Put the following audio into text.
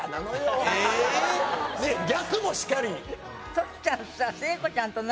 トシちゃんさ。